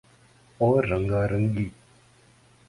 اور رنگا رنگی